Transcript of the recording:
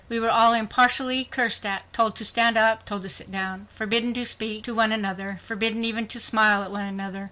We were all impartially cursed at; told to stand up; told to sit down; forbidden to speak to one another; forbidden even to smile at one another.